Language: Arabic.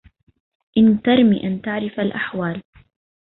إن ترم أن تعرف الأحوال